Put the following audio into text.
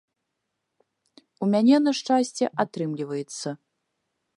У мяне, на шчасце, атрымліваецца.